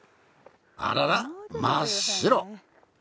あらら真っ白。